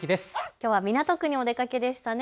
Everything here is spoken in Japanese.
きょうは港区にお出かけでしたね。